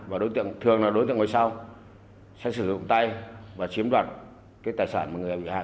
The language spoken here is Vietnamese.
và đối tượng thường là đối tượng ngồi sau sẽ sử dụng tay và chiếm đoạn tài sản người bị hại